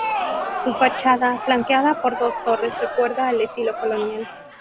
Su fachada, flanqueada por dos torres, recuerda al estilo colonial.